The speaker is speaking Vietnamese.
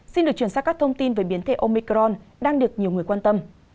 xin được chuyển sang các thông tin về biến thể omicron đang được nhiều người quan tâm